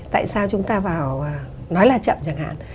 tại sao chúng ta vào nói là chậm chẳng hạn